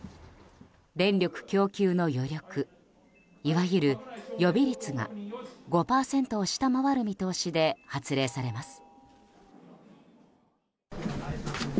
電力供給の余力いわゆる予備率が５％を下回る見通しで発令されます。